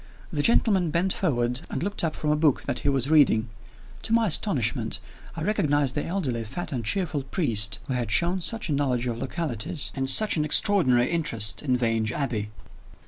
The gentleman bent forward, and looked up from a book that he was reading. To my astonishment, I recognized the elderly, fat and cheerful priest who had shown such a knowledge of localities, and such an extraordinary interest in Vange Abbey!